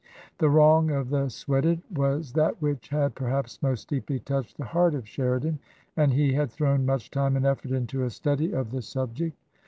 The wrong of the Sweated was that which had, per haps, most deeply touched the heart of Sheridan, and he had thrown much time and effort into a study of the i8o TRANSITION. subject.